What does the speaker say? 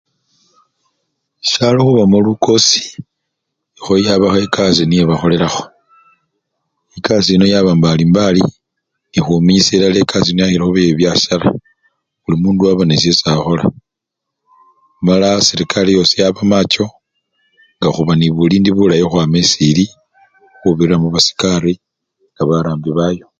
Sisyalo khubamo lukosi, ekhoya yabamo ekasii niyo bakholelakho, ekasii yino yaba mbalimbali nekhuminyisya ekasii yino yakha khuba yebibyasara, buli mundu waba nesyesi akhola mala serekari yosi yaba macho ngakhuba nende bulindi bulayi khukhwama esi eli khubirira mubasikari ne barambi bayo.